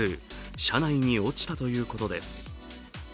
車内に落ちたということです。